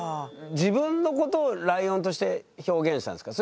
自分のことをライオンとして表現したんですか？